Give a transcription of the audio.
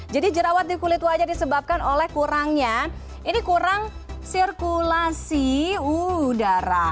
jadi jerawat di kulit wajah disebabkan oleh kurangnya ini kurang sirkulasi udara